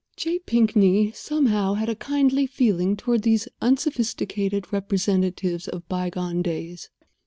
J. Pinkney, somehow, had a kindly feeling toward these unsophisticated representatives of by gone days.